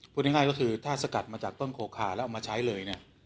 พูดง่ายก็คือถ้าสกัดมาจากต้นโคคาแล้วเอามาใช้เลยเนี่ย